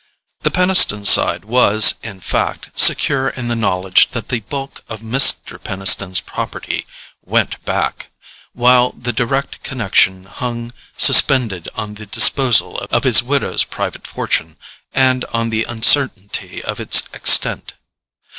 The Peniston side was, in fact, secure in the knowledge that the bulk of Mr. Peniston's property "went back"; while the direct connection hung suspended on the disposal of his widow's private fortune and on the uncertainty of its extent.